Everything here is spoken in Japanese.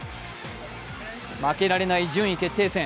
負けられない順位決定戦。